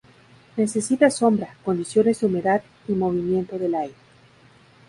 Necesita sombra, condiciones de humedad, y movimiento del aire.